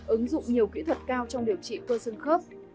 ứng dụng nhiều kỹ thuật cao trong điều trị cơ sân khớp